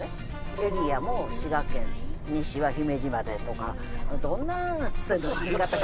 エリアも滋賀県西は姫路までとかどんな線の引き方か。